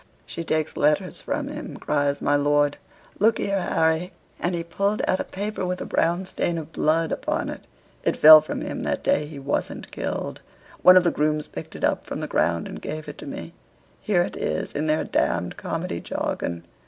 "She takes letters from him," cries my lord "look here, Harry," and he pulled out a paper with a brown stain of blood upon it. "It fell from him that day he wasn't killed. One of the grooms picked it up from the ground and gave it me. Here it is in their d d comedy jargon.